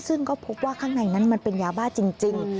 ซึ่งก็พบว่าข้างในนั้นมันเป็นยาบ้าจริง